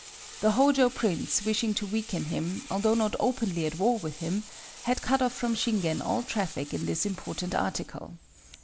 The Hōjō prince wishing to weaken him, although not openly at war with him, had cut off from Shingen all traffic in this important article.